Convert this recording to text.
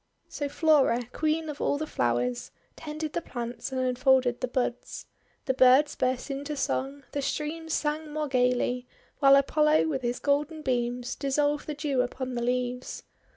So Flora, Queen of all the Flowers, tended the plants and unfolded the buds. The birds burst into song, the streams sang more gayly, while Apollo with his golden beams dissolved the Dew upon the leaves.